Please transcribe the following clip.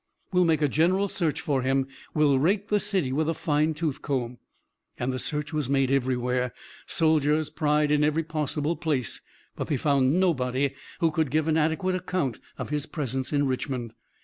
We'll make a general search for him. We'll rake the city with a fine tooth comb." The search was made everywhere. Soldiers pried in every possible place, but they found nobody who could not give an adequate account of his presence in Richmond.